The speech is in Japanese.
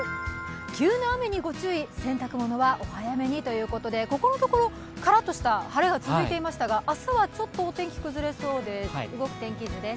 急な雨にご注意、洗濯物はお早めにということでここのところカラッとした晴れが続いていましたが明日はちょっとお天気崩れそうで動く天気図です。